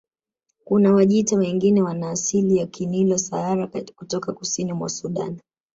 Kuna Wajita wengine wana asili ya Kinilo Sahara kutoka kusini mwa Sudan